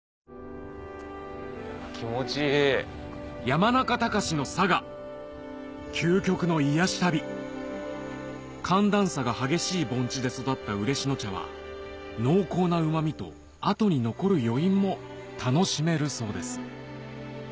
山中崇の佐賀究極の癒し旅寒暖差が激しい盆地で育った嬉野茶は濃厚なうま味と後に残る余韻も楽しめるそうです